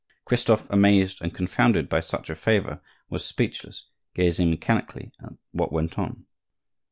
Christophe, amazed and confounded by such a favor, was speechless, gazing mechanically at what went on.